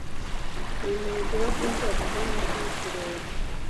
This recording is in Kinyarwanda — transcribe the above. ni imihigo yo ku nzego zo munsi y’uturere